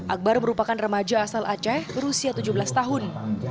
akbar merupakan remaja asal aceh berusia tujuh belas tahun